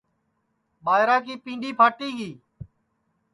ٻائرا کی پینٚدؔی پھاٹی گی